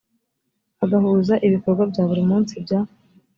agahuza ibikorwa bya buri munsi bya